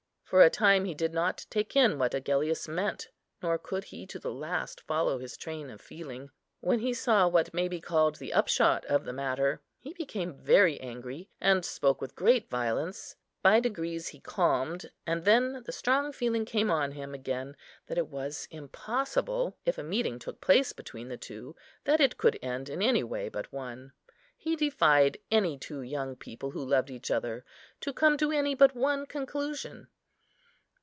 For a time he did not take in what Agellius meant, nor could he to the last follow his train of feeling. When he saw what may be called the upshot of the matter, he became very angry, and spoke with great violence. By degrees he calmed; and then the strong feeling came on him again that it was impossible, if a meeting took place between the two, that it could end in any way but one. He defied any two young people who loved each other, to come to any but one conclusion.